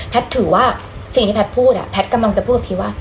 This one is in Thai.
ถือว่าสิ่งที่แพทย์พูดแพทย์กำลังจะพูดกับพี่ว่า